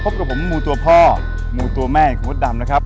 พบกับผมมูตัวพ่อมูตัวแม่อย่างมดดำนะครับ